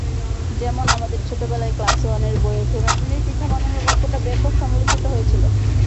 যেমন আমাদের ছোটবেলায় ক্লাস ওয়ানের বইয়ের টোনাটুনি পিঠা বানানোর গল্পটা ব্যাপক সমালোচিত হয়েছিল।